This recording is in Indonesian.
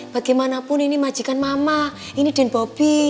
bagaimanapun ini majikan mama ini dan bobi